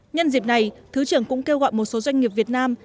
nhân dịp này thứ trưởng cũng kêu gọi một số doanh nghiệp việt nam